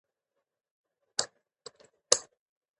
که تاسو د فعالیت لپاره خوند ونه لرئ، تمرین مه کوئ.